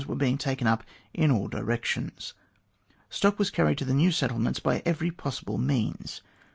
were being taken up in all directions. Stock was carried to the new settlements by every possible means.